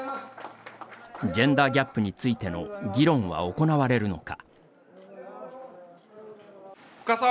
ジェンダーギャップについての議論は行われるのか。